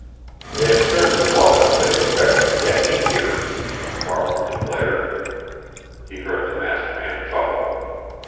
"It certainly was if they expected to get me here!" Jim Farland declared. He heard the masked man chuckle.